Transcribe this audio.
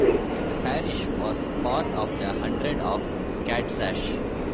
The parish was part of the hundred of Catsash.